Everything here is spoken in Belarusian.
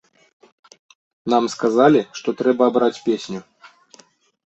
Нам сказалі, што трэба абраць песню.